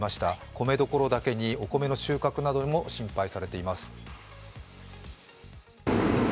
米どころだけにお米の収穫なども心配されています。